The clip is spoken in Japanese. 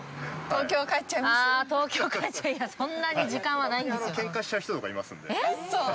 ◆東京帰っちゃいや、そんなに時間はないんですよ。